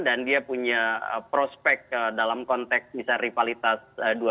dan dia punya prospek dalam konteks misal rivalitas dua ribu dua puluh empat